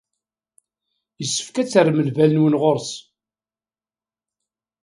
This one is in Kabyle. Yessefk ad terrem lbal-nwen ɣer-s.